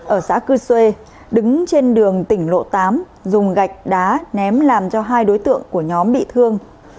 ở xã cư xuê đứng trên đường tỉnh lộ tám dùng gạch đá ném làm cho hai đối tượng của nhóm bị thương